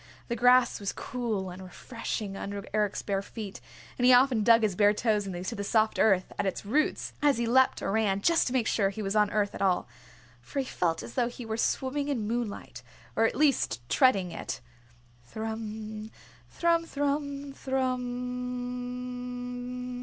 The grass was cool and refreshing under Eric's bare feet, and he often dug his bare toes into the soft earth at its roots as he leapt or ran just to make sure he was on earth at all. For he felt as though he were swimming in moonlight, or at least treading it. Thrum, thrum, thrum, thrummmmmmmmmm.